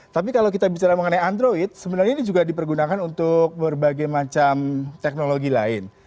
tapi kalau kita bicara mengenai android sebenarnya ini juga dipergunakan untuk berbagai macam teknologi lain